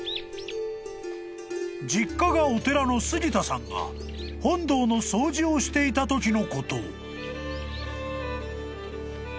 ［実家がお寺の杉田さんが本堂の掃除をしていたときのこと］